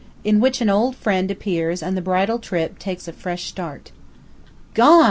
IN WHICH AN OLD FRIEND APPEARS AND THE BRIDAL TRIP TAKES A FRESH START. "Gone?"